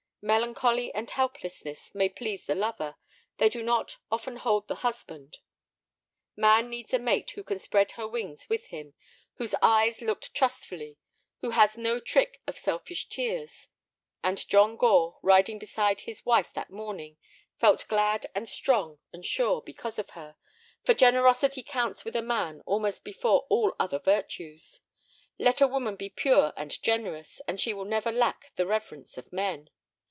Melancholy and helplessness may please the lover; they do not often hold the husband. Man needs a mate who can spread her wings with him, whose eyes look trustfully, who has no trick of selfish tears. And John Gore, riding beside his wife that morning, felt glad and strong and sure because of her, for generosity counts with a man almost before all other virtues. Let a woman be pure and generous, and she will never lack the reverence of men.